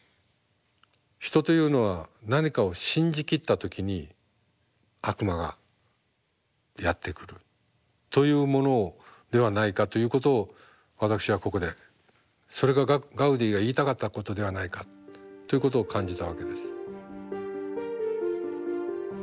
人というのは何かを信じきった時に悪魔がやって来るというものをではないかということを私はここでそれがガウディが言いたかったことではないかということを感じたわけです。